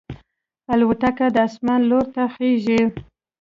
الوتکه د اسمان لور ته خېژي.